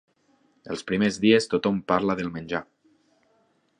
Els primers dies tothom parla del menjar.